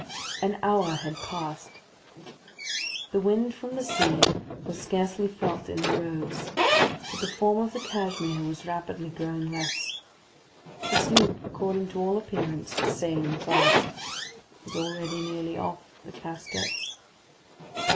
An hour had passed. The wind from the sea was scarcely felt in the roads; but the form of the Cashmere was rapidly growing less. The sloop, according to all appearance, was sailing fast. It was already nearly off the Casquets.